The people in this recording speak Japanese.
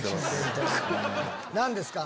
何ですか？